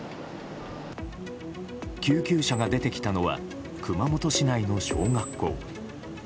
救急車が出てきたのは熊本市内の小学校。